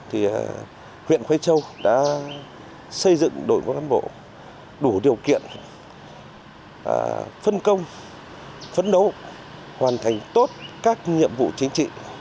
huyện khói châu đã xây dựng đội quân đảng bộ đủ điều kiện phân công phấn đấu hoàn thành tốt các nhiệm vụ chính trị